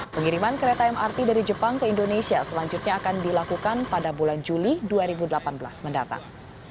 pengiriman kereta mrt dari jepang ke indonesia selanjutnya akan dilakukan pada bulan juli dua ribu delapan belas mendatang